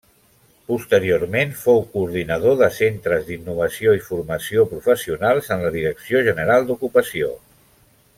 Posteriorment fou coordinador de centres d'innovació i formació professionals en la Direcció General d'Ocupació.